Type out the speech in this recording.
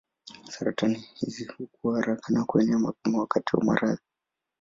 Saratani hizi hukua haraka na kuenea mapema wakati wa maradhi.